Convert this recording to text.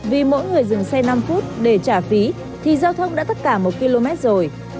vì mỗi người dừng xe năm phút để trả phí thì giao thông đã tất cả một km rồi